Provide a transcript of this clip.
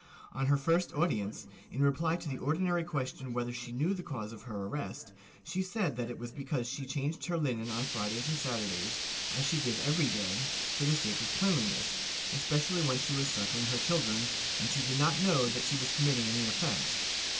On her first audience, in reply to the ordinary question whether she knew the cause of her arrest, she said that it was because she changed her Hnen on Fridays and Saturdays, as she did every day, for the sake of cleanliness, especially when she was suckling her children, and she did not know that she was committing any offence.